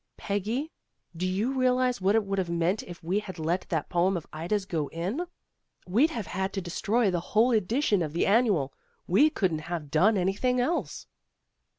Peggy, do you realize 266 PEGGY RAYMOND'S WAY what it would have meant if we had let that poem of Ida's go in? We'd have had to de stroy the whole edition of the Annual. We couldn't have done anything else."